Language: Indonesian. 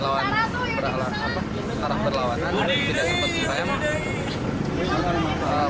dari arah berlawanan tidak sempat direm